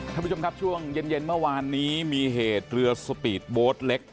ท่านผู้ชมครับช่วงเย็นเมื่อวานนี้มีเหตุเรือสปีดโบสต์เล็ก